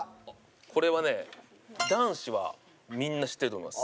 これはね男子はみんな知ってると思います